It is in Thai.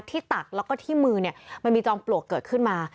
ตักแล้วก็ที่มือเนี่ยมันมีจอมปลวกเกิดขึ้นมา